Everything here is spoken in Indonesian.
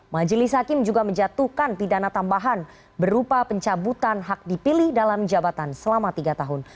majelis hakim juga menjatuhkan pidana tambahan berupa pencabutan hak dipilih dalam jabatan selama tiga tahun